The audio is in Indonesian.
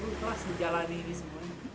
itu ikhlas menjalani ini semuanya